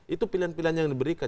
itu pilihan pilihan yang diberikan